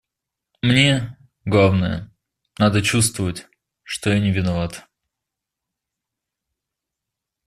Мне, главное, надо чувствовать, что я не виноват.